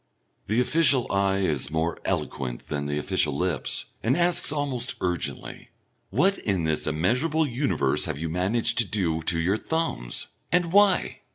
The official eye is more eloquent than the official lips and asks almost urgently, "What in this immeasurable universe have you managed to do to your thumbs? And why?"